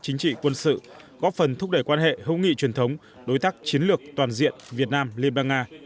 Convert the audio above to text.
chính trị quân sự góp phần thúc đẩy quan hệ hữu nghị truyền thống đối tác chiến lược toàn diện việt nam liên bang nga